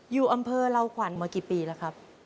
อยู่อำเภอลาวขวัญมากี่ปีแล้วครับ